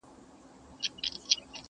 • ترېنه جوړ امېل د غاړي د لیلا کړو,